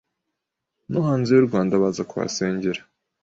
no hanze y’u Rwanda baza kuhasengera